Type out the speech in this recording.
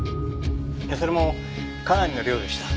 それもかなりの量でした。